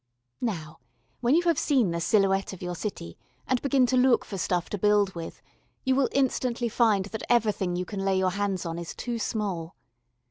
Now when you have seen the silhouette of your city and begin to look for stuff to build with, you will instantly find that everything you can lay your hands on is too small.